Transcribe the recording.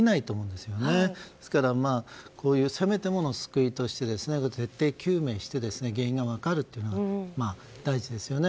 ですから、せめてもの救いとして徹底究明して原因が分かるというのは大事ですよね。